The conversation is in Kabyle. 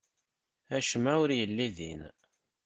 Acemma ur yelli din.